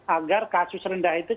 agar kasus rendah itu